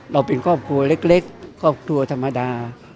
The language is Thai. เราเป็นครอบครัวเล็กครอบครัวธรรมดา